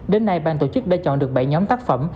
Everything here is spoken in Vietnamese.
đến nay ban tổ chức đã chọn được bảy nhóm tác phẩm